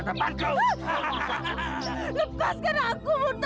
lepaskan aku sekarang